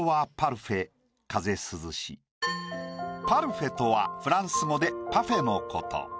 「パルフェ」とはフランス語でパフェの事。